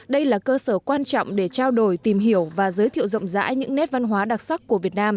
đây là cơ sở quan trọng để trao đổi tìm hiểu và giới thiệu rộng rãi những nét văn hóa đặc sắc của việt nam